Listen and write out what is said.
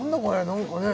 何かね